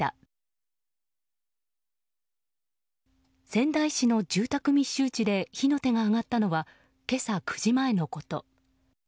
仙台市の住宅密集地で火の手が上がったのは今朝９時前のこと。